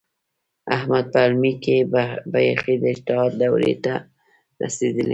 احمد په علم کې بیخي د اجتهاد دورې ته رسېدلی دی.